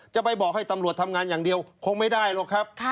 จะไปบอกให้ตำรวจทำงานอย่างเดียวคงไม่ได้หรอกครับ